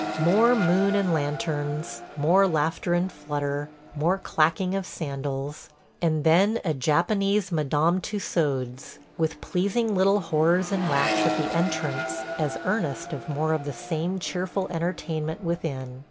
... More moon and lanterns, more laughter and flutter, more clacking of sandals, and then a Japanese Madame Tussaud's, with pleasing little horrors in wax at the entrance as earnest of more of the same cheerful entertainment within.